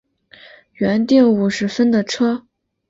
原订五十分的车